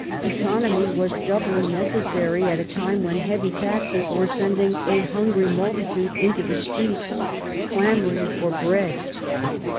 Economy was doubly necessary at a time when heavy taxes were sending a hungry multitude into the streets, clamouring for bread.